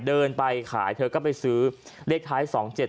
เดินไปขายเธอก็ไปซื้อเลขท้าย๒๗๗